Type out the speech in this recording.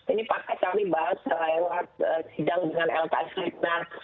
ini pakai salibas lewat sidang dengan lks rignar